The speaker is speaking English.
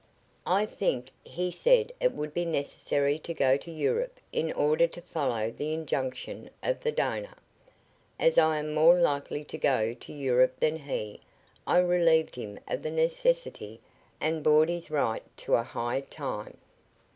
"I think he said it would be necessary to go to Europe in order to follow the injunction of the donor. As I am more likely to go to Europe than he, I relieved him of the necessity and bought his right to a 'high time.'"